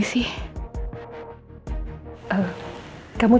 tapi tetap hilang di setengah kota